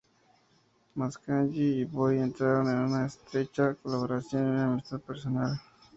Mascagni y Boi entraron en una estrecha colaboración y una amistad personal.